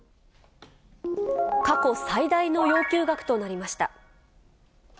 過去最大の要求額となりました。